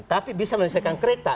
tapi bisa menyelesaikan kereta